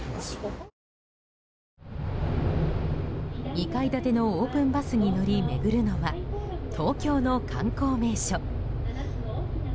２階建てのオープンバスに乗り巡るのは、東京の観光名所。